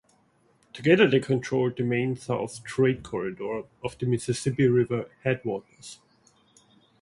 Together, they controlled the main north-south trade corridor of the Mississippi River headwaters.